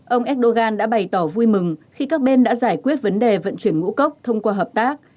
ông erdogan đã bày tỏ vui mừng khi các bên đã giải quyết vấn đề vận chuyển ngũ cốc thông qua hợp tác